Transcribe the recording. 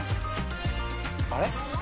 あれ？